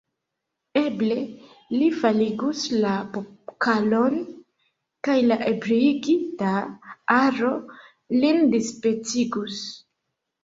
Eble, li faligus la pokalon kaj la ebriigita aro lin dispecigus.